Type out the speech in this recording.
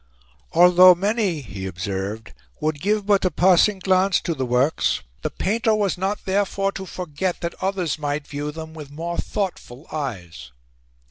Although many, he observed, would give but a passing glance to the works, the painter was not therefore to forget that others might view them with more thoughtful eyes.